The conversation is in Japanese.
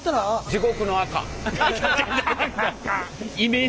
地獄の赤。